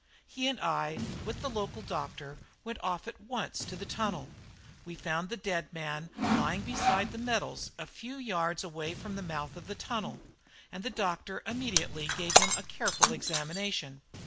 He and I, with the local doctor, went off at once to the tunnel. We found the dead man lying beside the metals a few yards away from the mouth of the tunnel, and the doctor immediately gave him a careful examination.